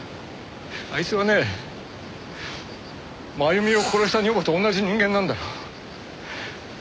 あいつはね真由美を殺した女房と同じ人間なんだよ。